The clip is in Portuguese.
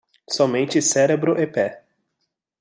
Somente cérebro e pé